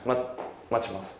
待ちます。